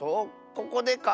ここでか？